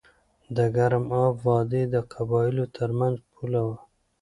د ګرم آب وادي د قبایلو ترمنځ پوله وه.